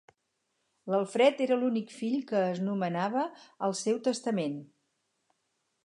L'Alfred era l'únic fill que es nomenava el seu testament.